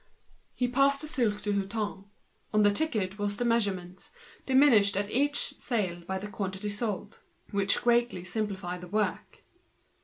He passed the piece to Hutin. On the ticket was the measurement, diminished at each sale by the quantity sold, which greatly simplified the work.